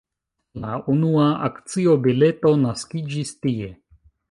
La unua akcio-bileto naskiĝis tie.